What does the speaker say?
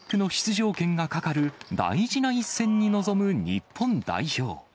パリオリンピックの出場権がかかる大事な一戦に臨む日本代表。